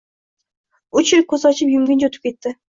Uch yil ko`z ochib yumguncha o`tib ketdi